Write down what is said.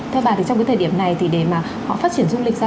theo bà thì trong cái thời điểm này thì để mà họ phát triển du lịch ra